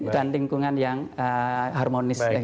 dan lingkungan yang harmonis